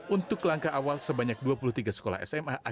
untuk langkah awal sebanyak dua puluh tiga sekolah sma